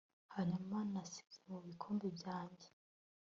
Hanyuma nasize mu bikombe byanjye